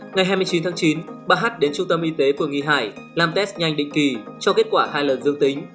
ngày hai mươi chín tháng chín bà hát đến trung tâm y tế phường nghị hải làm test nhanh định kỳ cho kết quả hai lần dương tính